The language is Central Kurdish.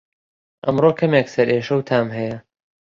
ئەمڕۆ کەمێک سەرئێشه و تام هەیە